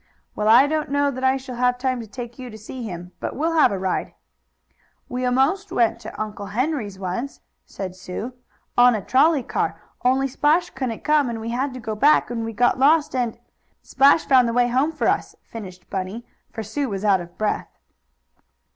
"Well, I don't know that I shall have time to take you to see him, but we'll have a ride." "We 'most went to Uncle Henry's once," said Sue. "On a trolley car, only Splash couldn't come, and we had to go back and we got lost and and " "Splash found the way home for us," finished Bunny, for Sue was out of breath.